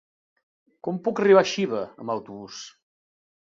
Com puc arribar a Xiva amb autobús?